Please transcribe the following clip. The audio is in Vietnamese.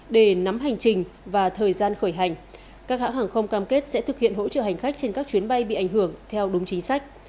để nắm hành trình và thời gian khởi hành các hãng hàng không cam kết sẽ thực hiện hỗ trợ hành khách trên các chuyến bay bị ảnh hưởng theo đúng chính sách